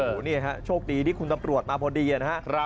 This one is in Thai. โอ้โหนี่ฮะโชคดีที่คุณตำรวจมาพอดีนะครับ